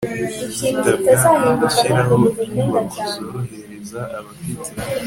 hitabwa mu gushyiraho inyubako zorohereza abafite